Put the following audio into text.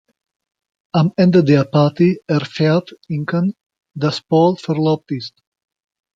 Am Ende der Party erfährt Inken, dass Paul verlobt ist.